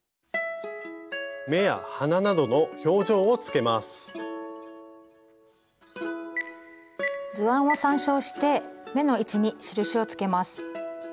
目や鼻などの図案を参照して目の位置に印をつけます。